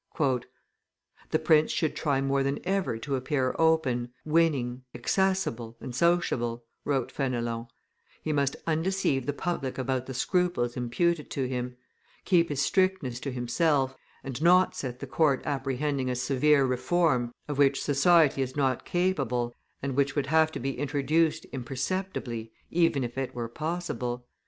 "The prince should try more than ever to appear open, winning, accessible, and sociable," wrote Fenelon; "he must undeceive the public about the scruples imputed to him; keep his strictness to himself, and not set the court apprehending a severe reform of which society is not capable, and which would have to be introduced imperceptibly, even if it were possible.